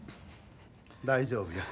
大丈夫や。